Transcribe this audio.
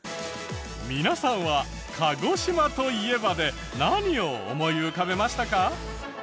皆さんは鹿児島といえばで何を思い浮かべましたか？